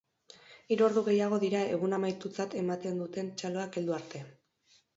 Hiru ordu gehiago dira eguna amaitutzat ematen duten txaloak heldu arte.